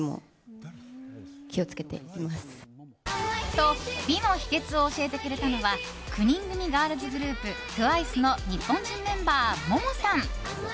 と、美の秘訣を教えてくれたのは９人組ガールズグループＴＷＩＣＥの日本人メンバー、ＭＯＭＯさん。